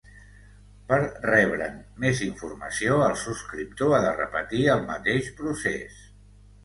Per rebre'n més informació, el subscriptor ha de repetir el mateix procés.